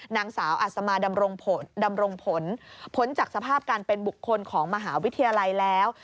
นางสาวอัศมาดำรงผลพ้นจากสภาพการเป็นบุคคลของมหาวิทยาลัยแล้ว